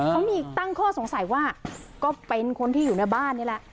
เขามีตั้งข้อสงสัยว่าก็เป็นคนที่อยู่ในบ้านนี่แหละ